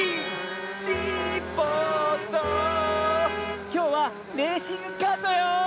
きょうはレーシングカートよ！